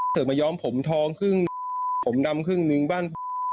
เธอมาย้อมผมทองครึ่งผมดำครึ่งนึงบ้าน